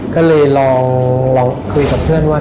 ก็เลยลองคุยกับเพื่อนว่า